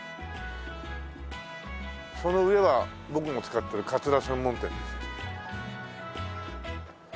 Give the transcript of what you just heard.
その上は僕も使ってるかつら専門店です。